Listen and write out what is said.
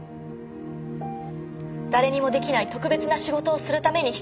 誰にもできない特別な仕事をするために必要な経費もあります。